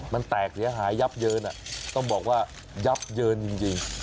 มันแตกเสียหายยับเยินต้องบอกว่ายับเยินจริง